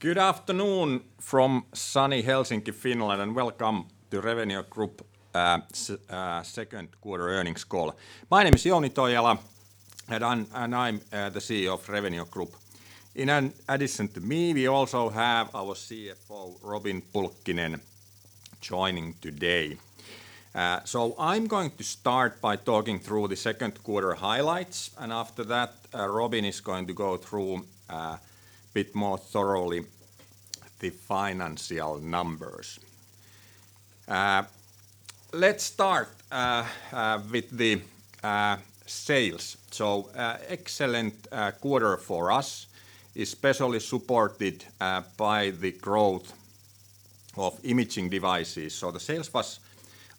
Good afternoon from sunny Helsinki, Finland, and welcome to Revenio Group Second Quarter Earnings Call. My name is Jouni Toijala, and I'm the CEO of Revenio Group. In addition to me, we also have our CFO, Robin Pulkkinen, joining today. I'm going to start by talking through the second quarter highlights, and after that, Robin is going to go through a bit more thoroughly the financial numbers. Let's start with the sales. Excellent quarter for us, especially supported by the growth of imaging devices. The sales was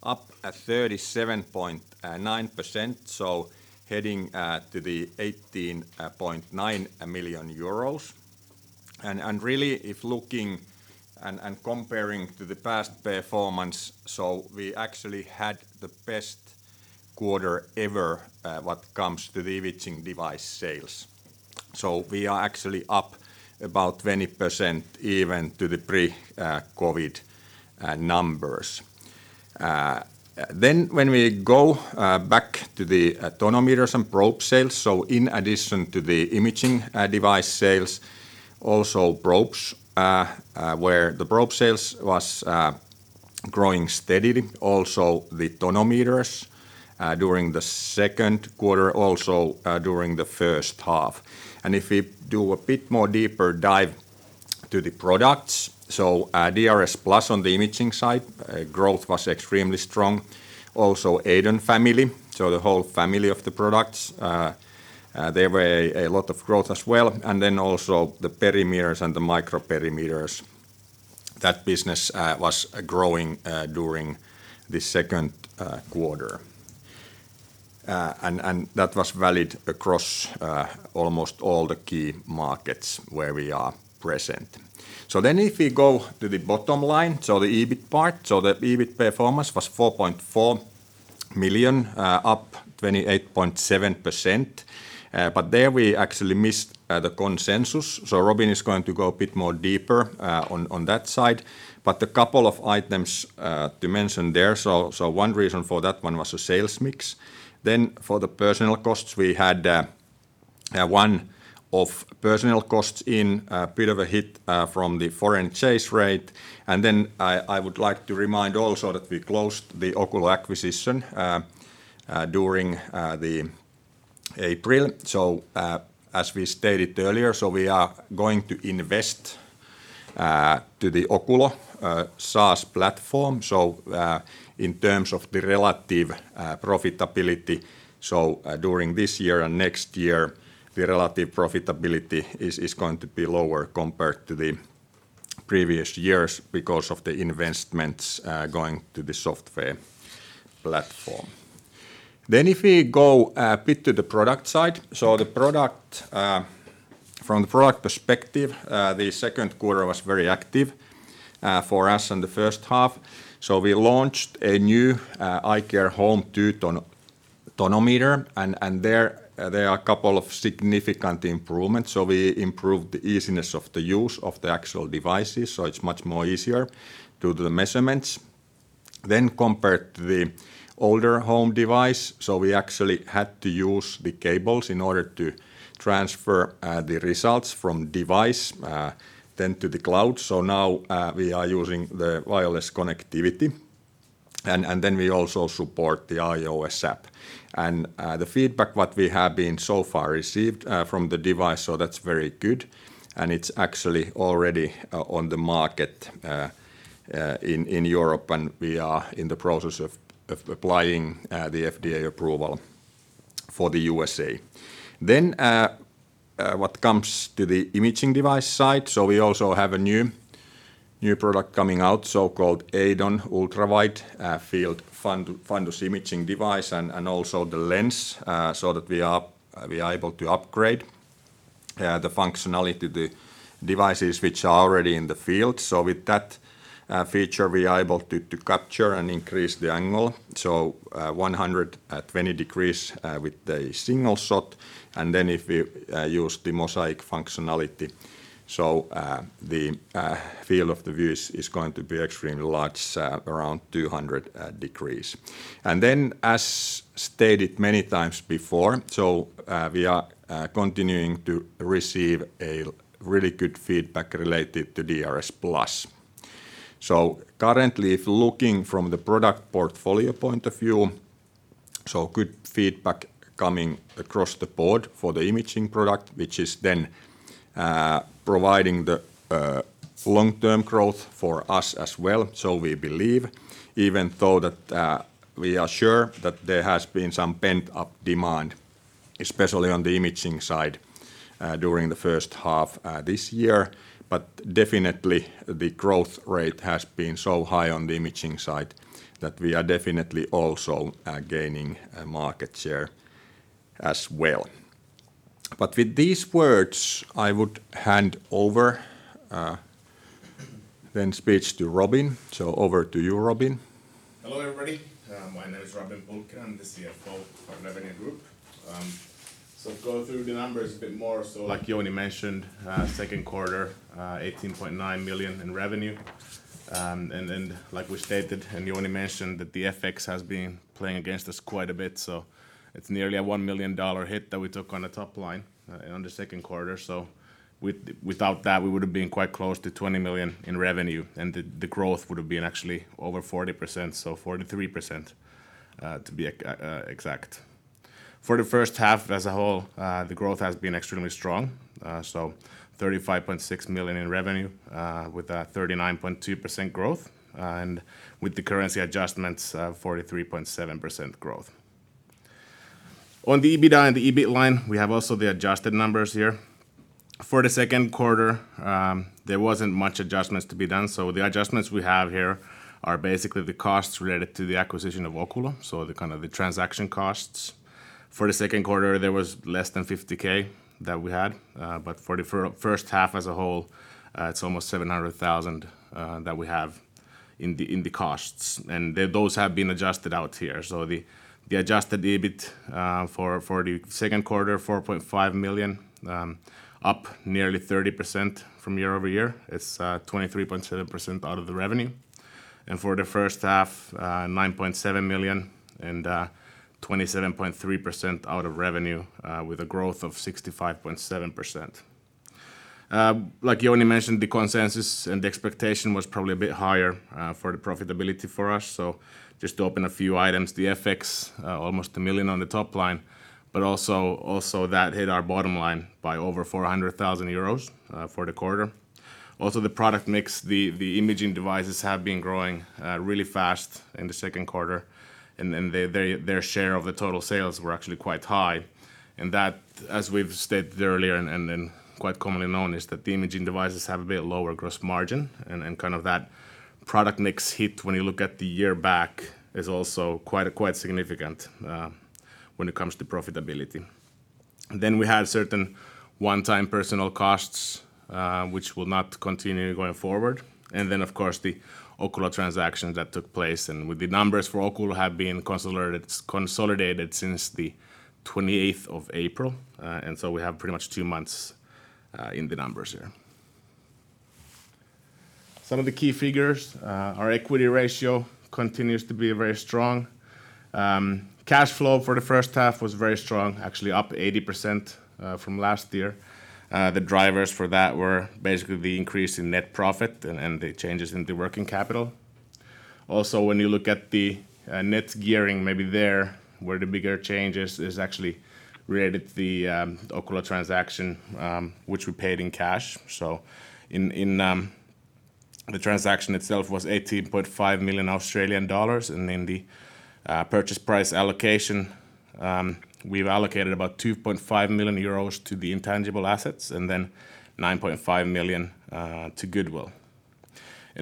up at 37.9%, so heading to the 18.9 million euros. Really, if looking and comparing to the past performance, we actually had the best quarter ever when it comes to the imaging device sales. We are actually up about 20% even to the pre-COVID numbers. When we go back to the tonometers and probe sales, so in addition to the imaging device sales, also probes, where the probe sales was growing steadily, also the tonometers during the second quarter, also during the first half. If we do a bit more deeper dive to the products, DRSplus on the imaging side, growth was extremely strong. EIDON family, so the whole family of the products, there were a lot of growth as well. Also the perimeters and the microperimeters. That business was growing during this second quarter. That was valid across almost all the key markets where we are present. If we go to the bottom line, the EBIT part. The EBIT performance was 4.4 million, up 28.7%. There we actually missed the consensus. Robin is going to go a bit more deeper on that side. A couple of items to mention there. One reason for that one was the sales mix. For the personal costs, we had one of personal costs in a bit of a hit from the foreign exchange rate. I would like to remind also that we closed the Oculo acquisition during April. As we stated earlier, we are going to invest to the Oculo SaaS platform. In terms of the relative profitability during this year and next year, the relative profitability is going to be lower compared to the previous years because of the investments going to the software platform. If we go a bit to the product side. From the product perspective, the second quarter was very active for us in the first half. We launched a new iCare HOME2 tonometer, and there are a couple of significant improvements. We improved the easiness of the use of the actual devices, so it's much more easier to do the measurements. Compared to the older home device, we actually had to use the cables in order to transfer the results from device then to the cloud. Now we are using the wireless connectivity, and then we also support the iOS app. The feedback what we have been so far received from the device, so that's very good, and it's actually already on the market in Europe, and we are in the process of applying the FDA approval for the USA. What comes to the imaging device side, we also have a new product coming out, so-called EIDON Ultra-Widefield fundus imaging device and also the lens, so that we are able to upgrade the functionality of the devices which are already in the field. With that feature, we are able to capture and increase the angle, 120 degrees with the single shot. If we use the mosaic functionality, the field of the view is going to be extremely large, around 200 degrees. As stated many times before, we are continuing to receive a really good feedback related to DRSplus. Currently, if looking from the product portfolio point of view, good feedback coming across the board for the imaging product, which is then providing the long-term growth for us as well. We believe, even though that we are sure that there has been some pent-up demand, especially on the imaging side, during the first half this year, but definitely the growth rate has been so high on the imaging side that we are definitely also gaining market share as well. With these words, I would hand over the speech to Robin. Over to you, Robin. Hello, everybody. My name is Robin Pulkkinen, I'm the CFO for Revenio Group. Go through the numbers a bit more. Like Jouni mentioned, second quarter, 18.9 million in revenue. Like we stated, and Jouni mentioned, that the FX has been playing against us quite a bit. It's nearly a EUR 1 million hit that we took on the top line on the second quarter. Without that, we would've been quite close to 20 million in revenue, and the growth would've been actually over 40%, so 43%, to be exact. For the first half as a whole, the growth has been extremely strong, 35.6 million in revenue, with a 39.2% growth, and with the currency adjustments, 43.7% growth. On the EBITDA and the EBIT line, we have also the adjusted numbers here. For the second quarter, there wasn't much adjustments to be done, the adjustments we have here are basically the costs related to the acquisition of Oculo, so the transaction costs. For the second quarter, there was less than 50K that we had. For the first half as a whole, it's almost 700,000 that we have in the costs. Those have been adjusted out here. The adjusted EBIT for the second quarter, 4.5 million, up nearly 30% from year-over-year. It's 23.7% out of the revenue. For the first half, 9.7 million and 27.3% out of revenue with a growth of 65.7%. Like Jouni mentioned, the consensus and the expectation was probably a bit higher for the profitability for us. Just to open a few items, the FX, almost a million on the top line, but also that hit our bottom line by over 400,000 euros for the quarter. The product mix, the imaging devices have been growing really fast in the second quarter, and their share of the total sales were actually quite high, and that, as we've stated earlier and quite commonly known, is that the imaging devices have a bit lower gross margin and kind of that product mix hit when you look at the year back is also quite significant when it comes to profitability. We had certain one-time personal costs, which will not continue going forward. Of course, the Oculo transaction that took place, and the numbers for Oculo have been consolidated since the 28th of April. We have pretty much two months in the numbers here. Some of the key figures, our equity ratio continues to be very strong. Cash flow for the first half was very strong, actually up 80% from last year. The drivers for that were basically the increase in net profit and the changes in the working capital. When you look at the net gearing, maybe there were the bigger changes is actually related to the Oculo transaction, which we paid in cash. The transaction itself was 18.5 million Australian dollars, and in the purchase price allocation, we've allocated about 2.5 million euros to the intangible assets and then 9.5 million to goodwill.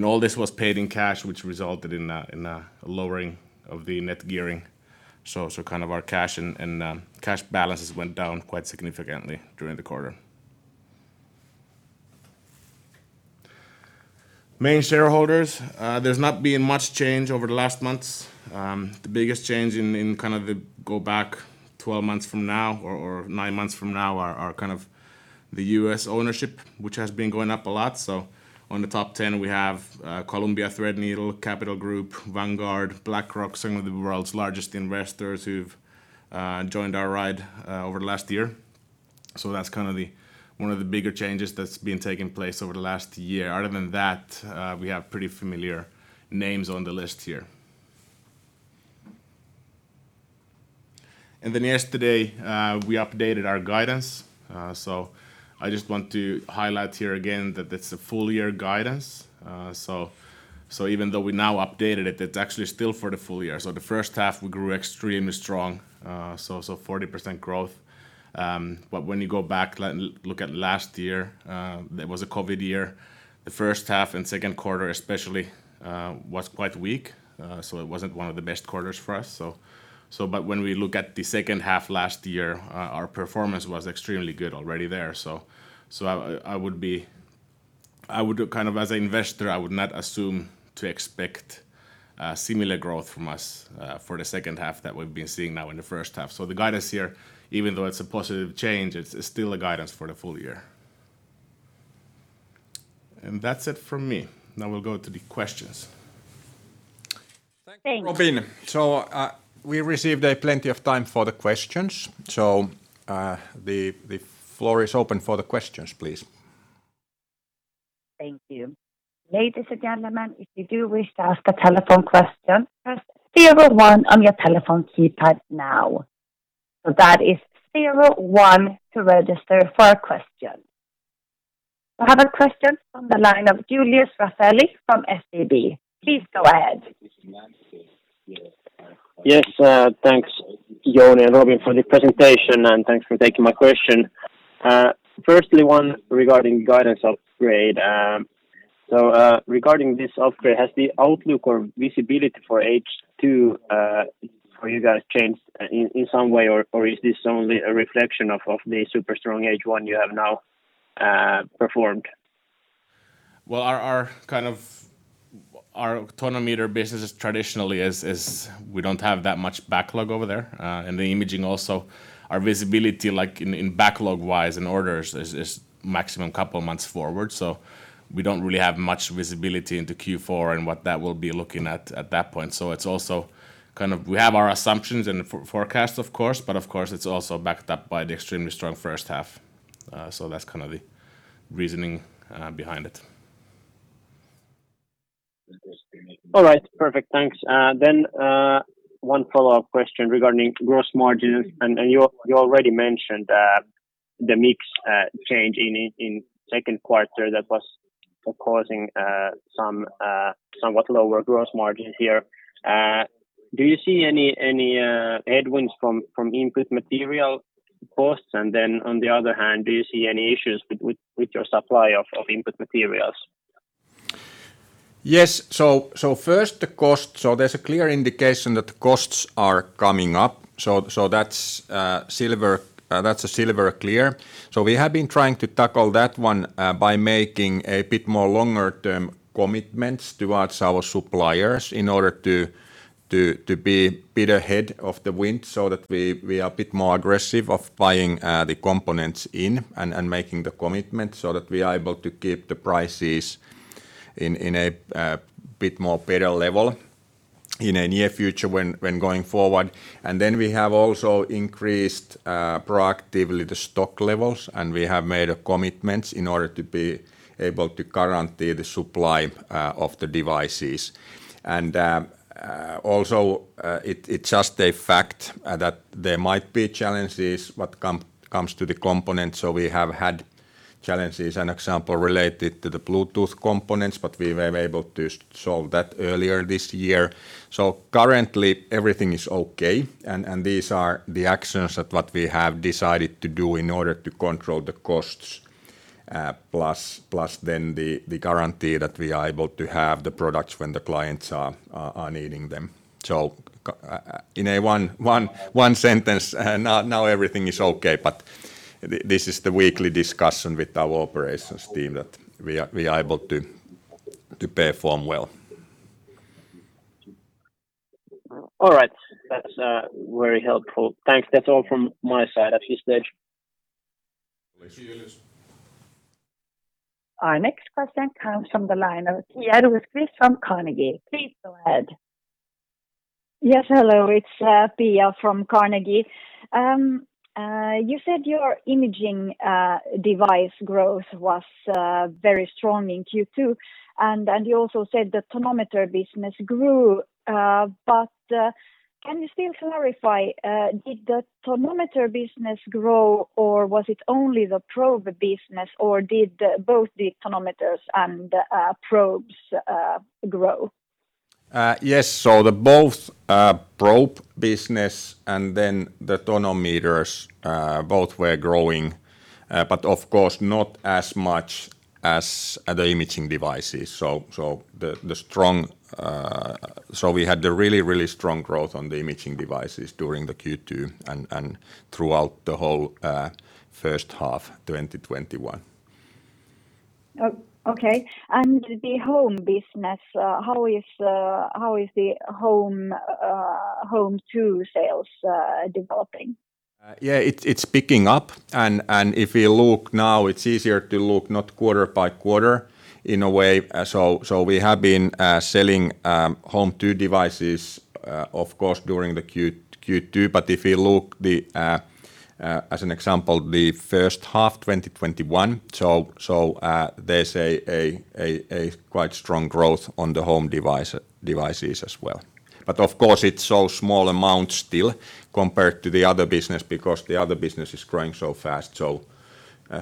All this was paid in cash, which resulted in a lowering of the net gearing. Our cash balances went down quite significantly during the quarter. Main shareholders, there's not been much change over the last months. The biggest change in the go back 12 months from now or nine months from now are the U.S. ownership, which has been going up a lot. On the top 10, we have Columbia Threadneedle, Capital Group, Vanguard, BlackRock, some of the world's largest investors who've joined our ride over the last year. That's one of the bigger changes that's been taking place over the last year. Other than that, we have pretty familiar names on the list here. Yesterday, we updated our guidance. I just want to highlight here again that it's a full-year guidance. Even though we now updated it's actually still for the full year. The first half, we grew extremely strong, so 40% growth. When you go back, look at last year, that was a COVID year. The first half and second quarter especially, was quite weak, so it wasn't one of the best quarters for us. When we look at the second half last year, our performance was extremely good already there. As an investor, I would not assume to expect similar growth from us for the second half that we've been seeing now in the first half. The guidance here, even though it's a positive change, it's still a guidance for the full year. That's it from me. We'll go to the questions. Thank you. Robin. We received plenty of time for the questions. The floor is open for the questions, please. Thank you. Ladies and gentlemen, if you do wish to ask a telephone question, press zero one on your telephone keypad now. That is zero one to register for a question. I have a question from the line of Julius Rapeli from SEB. Please go ahead. Yes, thanks Jouni and Robin for the presentation and thanks for taking my question. Firstly, one regarding guidance upgrade. Regarding this upgrade, has the outlook or visibility for H2 for you guys changed in some way, or is this only a reflection of the super strong H1 you have now performed? Well, our tonometer business traditionally is we don't have that much backlog over there. In the imaging also, our visibility in backlog-wise and orders is maximum couple of months forward. We don't really have much visibility into Q4 and what that will be looking at that point. We have our assumptions and forecast, of course, but of course, it's also backed up by the extremely strong first half. That's the reasoning behind it. All right. Perfect. Thanks. One follow-up question regarding gross margin. You already mentioned the mix change in second quarter that was causing somewhat lower gross margin here. Do you see any headwinds from input material costs? On the other hand, do you see any issues with your supply of input materials? Yes. First, the cost. There's a clear indication that the costs are coming up. That's silver clear. We have been trying to tackle that one by making a bit more longer term commitments towards our suppliers in order to be a bit ahead of the wind so that we are a bit more aggressive of buying the components in and making the commitment so that we are able to keep the prices in a bit more better level in a near future when going forward. Then we have also increased proactively the stock levels, and we have made commitments in order to be able to guarantee the supply of the devices. Also, it's just a fact that there might be challenges what comes to the components. We have had challenges, an example related to the Bluetooth components, but we were able to solve that earlier this year. Currently everything is okay, these are the actions that what we have decided to do in order to control the costs, plus then the guarantee that we are able to have the products when the clients are needing them. In a one sentence, now everything is okay, but this is the weekly discussion with our operations team that we are able to perform well. All right. That's very helpful. Thanks. That's all from my side at this stage. Thank you. Our next question comes from the line of Pia Rosqvist-Heinsalmi from Carnegie. Please go ahead. Yes, hello. It's Pia from Carnegie. You said your imaging device growth was very strong in Q2, and you also said the tonometer business grew. Can you still clarify did the tonometer business grow, or was it only the probe business, or did both the tonometers and probes grow? Yes. Both probe business and the tonometers both were growing, of course not as much as the imaging devices. We had the really strong growth on the imaging devices during the Q2 and throughout the whole first half 2021. Okay. The home business, how is the HOME2 sales developing? Yeah, it's picking up if you look now it's easier to look not quarter-by-quarter in a way. We have been selling HOME2 devices, of course, during the Q2, but if you look as an example the first half 2021, there's a quite strong growth on the home devices as well. Of course it's so small amount still compared to the other business because the other business is growing so fast.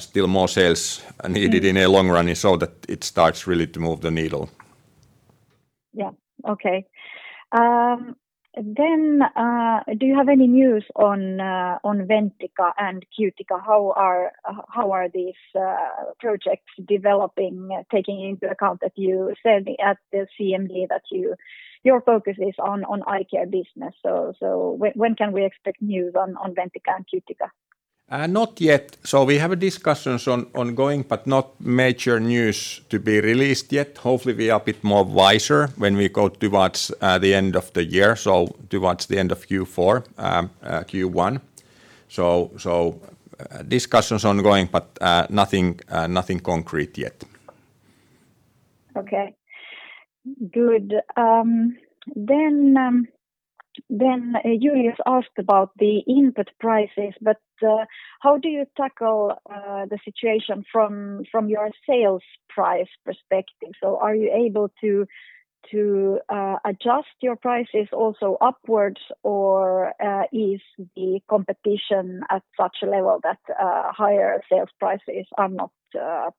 Still more sales needed in a long run so that it starts really to move the needle. Yeah. Okay. Do you have any news on Ventica and Cutica? How are these projects developing, taking into account that you said at the CMD that your focus is on eye care business? When can we expect news on Ventica and Cutica? Not yet. We have discussions ongoing, but not major news to be released yet. Hopefully we are a bit more wiser when we go towards the end of the year, towards the end of Q4, Q1. Discussions ongoing, but nothing concrete yet. Okay, good. Julius asked about the input prices, but how do you tackle the situation from your sales price perspective? Are you able to adjust your prices also upwards or is the competition at such a level that higher sales prices are not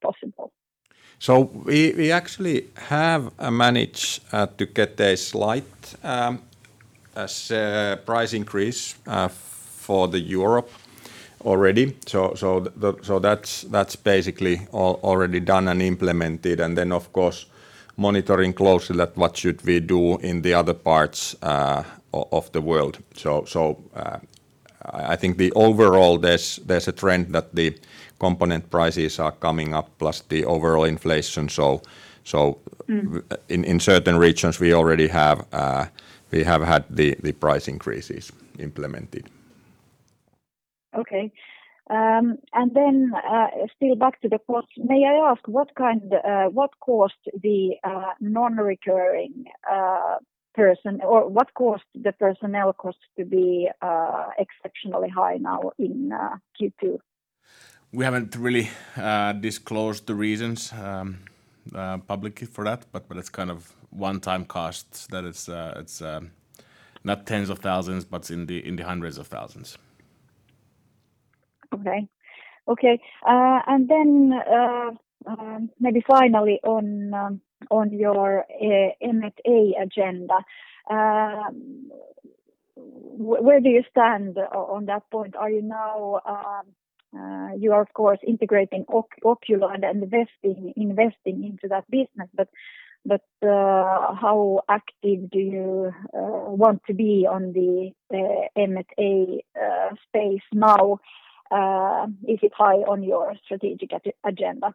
possible? We actually have managed to get a slight price increase for Europe already. That's basically already done and implemented, and then of course, monitoring closely what should we do in the other parts of the world. I think the overall, there is a trend that the component prices are coming up plus the overall inflation. In certain regions, we already have had the price increases implemented. Okay. Still back to the costs, may I ask what caused the personnel costs to be exceptionally high now in Q2? We haven't really disclosed the reasons publicly for that, but it's kind of one-time costs that it's not tens of thousands, but it's in the hundreds of thousands. Okay. Maybe finally on your M&A agenda. Where do you stand on that point? You are, of course, integrating Oculo and investing into that business, but how active do you want to be on the M&A space now? Is it high on your strategic agenda?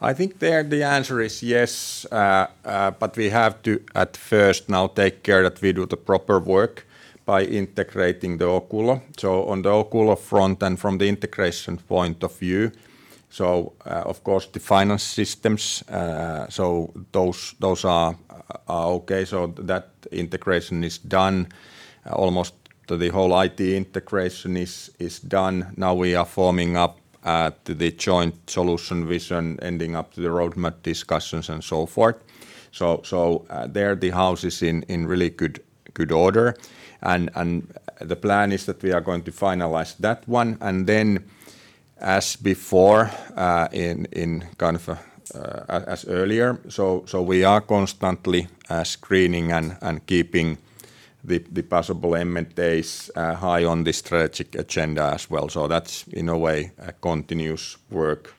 I think there the answer is yes, but we have to at first now take care that we do the proper work by integrating the Oculo. On the Oculo front and from the integration point of view, of course, the finance systems, those are okay. That integration is done. Almost the whole IT integration is done. Now we are forming up the joint solution vision, ending up the roadmap discussions and so forth. There the house is in really good order, and the plan is that we are going to finalize that one, and then as earlier, we are constantly screening and keeping the possible M&As high on the strategic agenda as well. That's in a way, a continuous work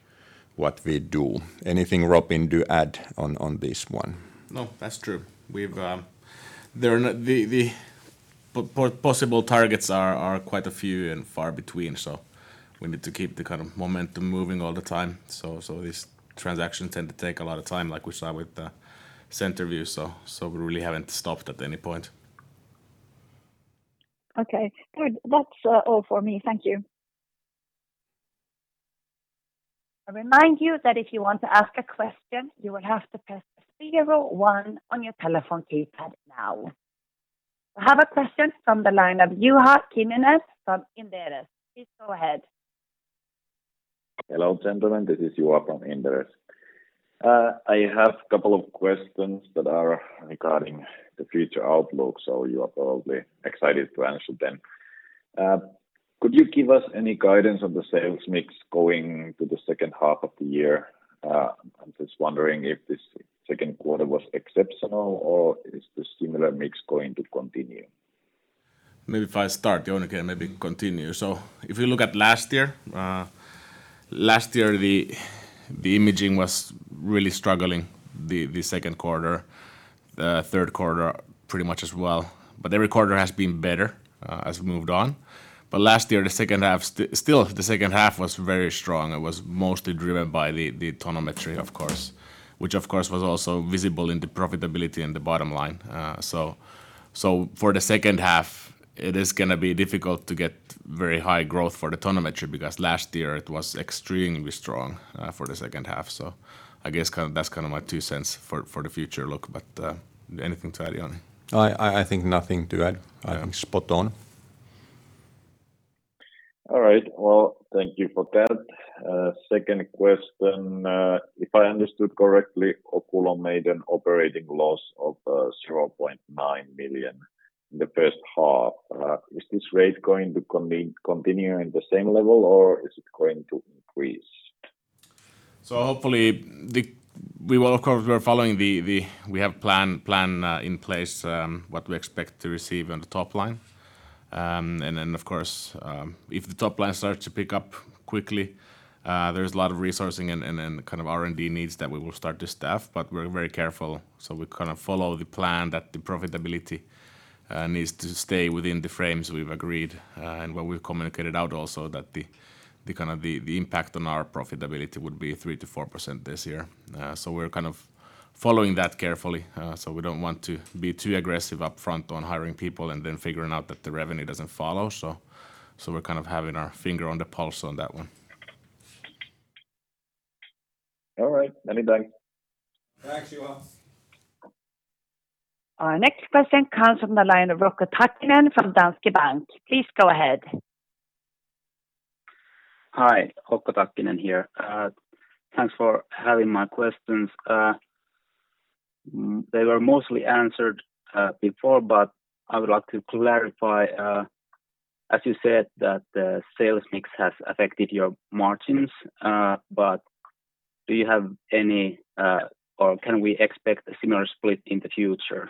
what we do. Anything, Robin, to add on this one? No. That's true. The possible targets are quite a few and far between. We need to keep the kind of momentum moving all the time. These transactions tend to take a lot of time, like we saw with CenterVue. We really haven't stopped at any point. Okay, good. That's all for me. Thank you. Remind you that if you want to ask a question, you will have to press zero one on your telephone keypad now. I have a question from the line of Juha Kinnunen from Inderes. Please go ahead. Hello, gentlemen. This is Juha from Inderes. I have a couple of questions that are regarding the future outlook, so you are probably excited to answer them. Could you give us any guidance on the sales mix going to the second half of the year? I am just wondering if this second quarter was exceptional, or is the similar mix going to continue? Maybe if I start, Jouni can maybe continue. If you look at last year, last year the imaging was really struggling the second quarter, the third quarter pretty much as well. Every quarter has been better as we moved on. Last year, still the second half was very strong. It was mostly driven by the tonometry, of course, which of course was also visible in the profitability and the bottom line. For the second half, it is going to be difficult to get very high growth for the tonometry, because last year it was extremely strong for the second half. I guess that's kind of my two cents for the future look, but anything to add, Jouni? I think nothing to add. Spot on. All right. Well, thank you for that. Second question. If I understood correctly, Oculo made an operating loss of 0.9 million in the first half. Is this rate going to continue in the same level, or is it going to increase? We're following the plan in place, what we expect to receive on the top line. Of course, if the top line starts to pick up quickly, there's a lot of resourcing and then the kind of R&D needs that we will start to staff. We're very careful. We kind of follow the plan that the profitability needs to stay within the frames we've agreed, and what we've communicated out also that the impact on our profitability would be 3%-4% this year. We're kind of following that carefully. We don't want to be too aggressive upfront on hiring people and then figuring out that the revenue doesn't follow. We're kind of having our finger on the pulse on that one. All right, many thanks. Thanks, Juha. Our next question comes from the line of Okko Takkinen from Danske Bank. Please go ahead. Hi, Okko Takkinen here. Thanks for having my questions. They were mostly answered before. I would like to clarify, as you said that the sales mix has affected your margins. Can we expect a similar split in the future?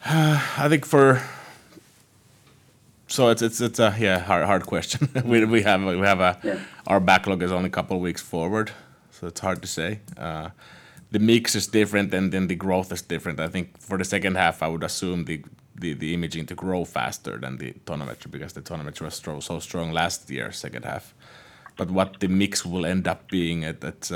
It's a hard question. Our backlog is only a couple of weeks forward, so it's hard to say. The mix is different and then the growth is different. I think for the second half, I would assume the imaging to grow faster than the tonometry because the tonometry was so strong last year, second half. What the mix will end up being, that's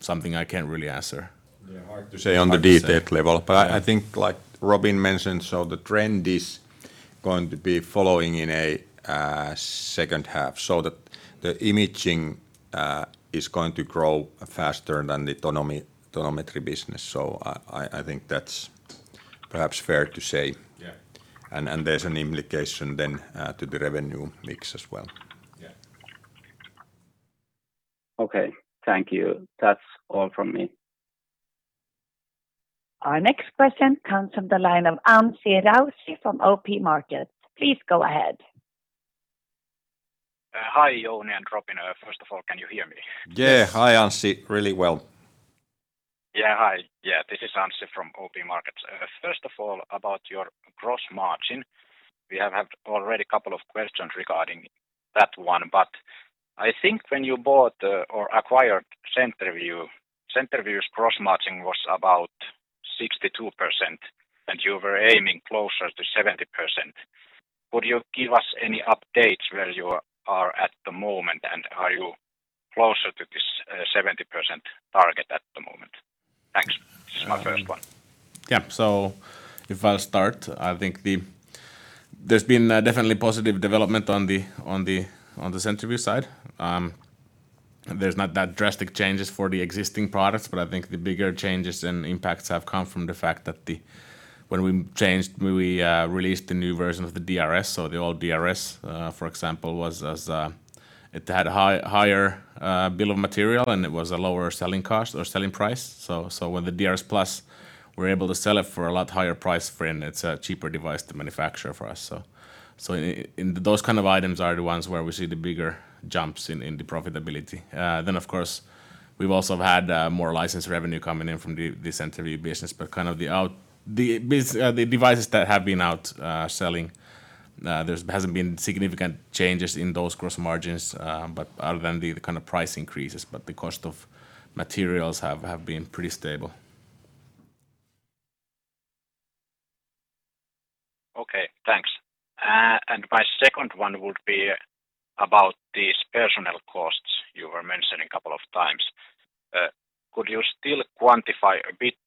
something I can't really answer. Yeah. Hard to say on the detail level, but I think like Robin mentioned, so the trend is going to be following in a second half, so the imaging is going to grow faster than the tonometry business. I think that's perhaps fair to say. Yeah. There's an implication then to the revenue mix as well. Yeah. Okay. Thank you. That's all from me. Our next question comes from the line of Anssi Raussi from OP Markets. Please go ahead. Hi, Jouni and Robin. First of all, can you hear me? Yeah. Hi, Anssi. Really well. Hi. Yeah. This is Anssi from OP Markets. First of all, about your gross margin, we have had already a couple of questions regarding that one. I think when you bought or acquired CenterVue, CenterVue's gross margin was about 62%, and you were aiming closer to 70%. Could you give us any updates where you are at the moment, and are you closer to this 70% target at the moment? Thanks. This is my first one. Yeah. If I'll start, I think there's been a definitely positive development on the CenterVue side. There's not that drastic changes for the existing products, I think the bigger changes and impacts have come from the fact that when we released the new version of the DRS, the old DRS, for example, it had a higher bill of material, and it was a lower selling price. With the DRSplus, we're able to sell it for a lot higher price frame. It's a cheaper device to manufacture for us. Those kind of items are the ones where we see the bigger jumps in the profitability. Of course, we've also had more license revenue coming in from the CenterVue business, but kind of the devices that have been out selling, there hasn't been significant changes in those gross margins other than the kind of price increases, but the cost of materials have been pretty stable. Okay, thanks. My second one would be about these personnel costs you were mentioning a couple of times. Could you still quantify a bit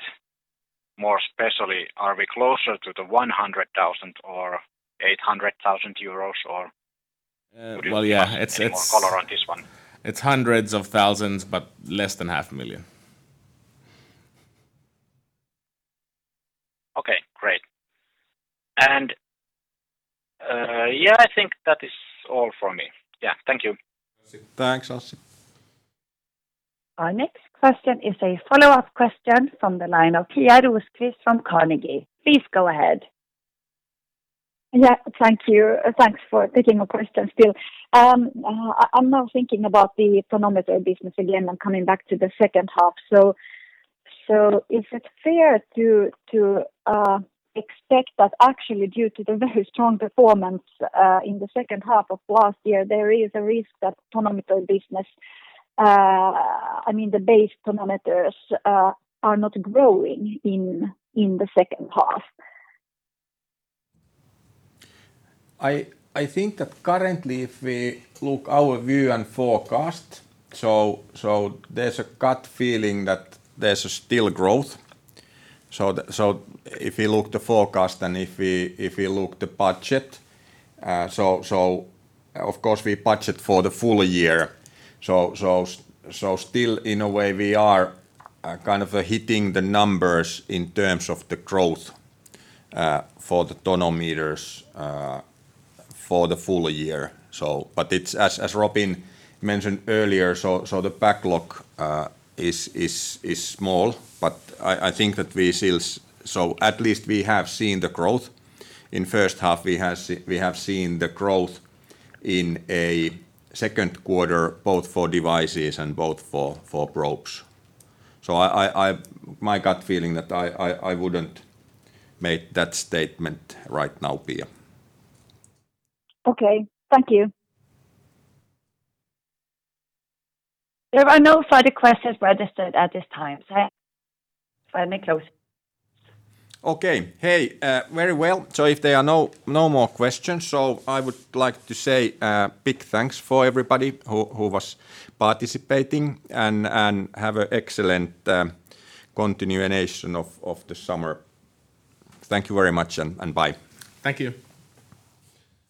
more especially, are we closer to 100,000 or 800,000 euros, or could you? Well, yeah. Give any more color on this one? It's hundreds of thousands, but less than half a million. Okay, great. Yeah, I think that is all for me. Yeah. Thank you. Thanks, Anssi. Our next question is a follow-up question from the line of Pia Rosqvist-Heinsalmi from Carnegie. Please go ahead. Yeah. Thank you. Thanks for taking the question still. I'm now thinking about the tonometry business again. I'm coming back to the second half. Is it fair to expect that actually due to the very strong performance in the second half of last year, there is a risk that tonometry business, I mean, the base tonometers are not growing in the second half? I think that currently if we look our view and forecast, so there's a gut feeling that there's still growth. If you look the forecast and if you look the budget, so of course we budget for the full year. Still in a way we are kind of hitting the numbers in terms of the growth for the tonometers for the full year. As Robin mentioned earlier, so the backlog is small, but I think that we still at least we have seen the growth. In first half, we have seen the growth in a second quarter, both for devices and both for probes. My gut feeling that I wouldn't make that statement right now, Pia. Okay. Thank you. There are no further questions registered at this time. Let me close. Okay. Hey, very well. If there are no more questions, so I would like to say a big thanks for everybody who was participating, and have a excellent continuation of the summer. Thank you very much, and bye. Thank you.